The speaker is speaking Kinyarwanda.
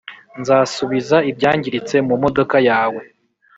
nzasubiza ibyangiritse ku modoka yawe.